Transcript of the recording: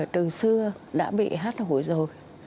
từ xưa đã bị hát hủi rồi